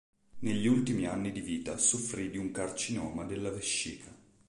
Negli ultimi anni di vita soffrì di un carcinoma della vescica.